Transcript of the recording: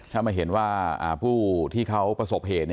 ถ้ามาเห็นว่าผู้ที่เขาประสบเหตุ